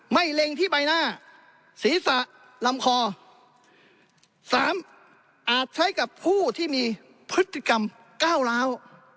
เล็งที่ใบหน้าศีรษะลำคอสามอาจใช้กับผู้ที่มีพฤติกรรมก้าวร้าว